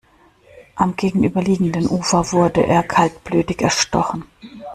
Am gegenüberliegenden Ufer wurde er kaltblütig erstochen.